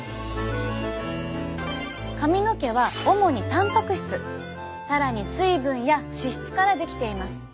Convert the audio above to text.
髪の毛は主にたんぱく質更に水分や脂質から出来ています。